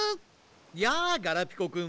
やあガラピコくん。